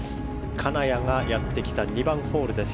金谷がやってきた２番ホールです。